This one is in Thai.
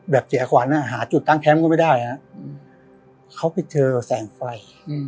เสียขวัญหาจุดตั้งแคมป์ก็ไม่ได้ฮะเขาไปเจอแสงไฟ